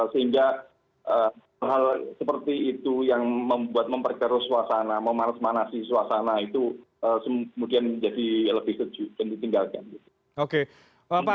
sehingga hal seperti itu yang membuat memperkeruh suasana memanas manasi suasana itu kemudian menjadi lebih sejuk dan ditinggalkan